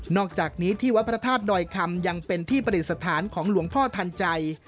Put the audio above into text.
อกจากนี้ที่วัดพระธาตุดอยคำยังเป็นที่ประดิษฐานของหลวงพ่อทันใจ